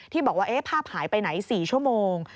ที่บอกว่าเอ๊ะภาพหายไปไหน๔ชั่วโมง